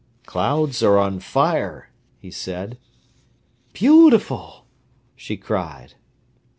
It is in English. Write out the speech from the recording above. "Clouds are on fire," he said. "Beautiful!" she cried.